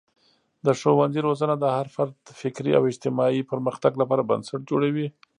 د ښوونځي روزنه د هر فرد د فکري او اجتماعي پرمختګ لپاره بنسټ جوړوي.